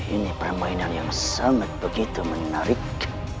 ini permainan yang sangat begitu menarik